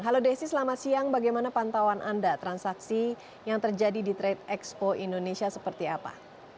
halo desi selamat siang bagaimana pantauan anda transaksi yang terjadi di trade expo indonesia seperti apa